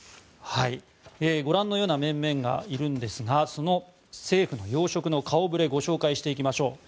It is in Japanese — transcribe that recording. ご覧のような面々がいるんですがその政府の要職の顔触れご紹介していきましょう。